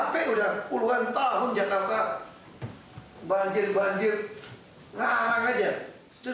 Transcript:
banjir banjir ngarang aja